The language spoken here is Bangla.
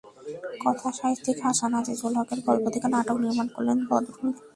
কথাসাহিত্যিক হাসান আজিজুল হকের গল্প থেকে নাটক নির্মাণ করলেন বদরুল আনাম সৌদ।